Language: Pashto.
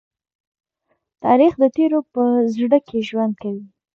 تاریخ د تېرو په زړه کې ژوند کوي.